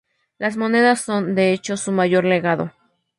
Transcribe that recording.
Las monedas son, de hecho, su mayor legado.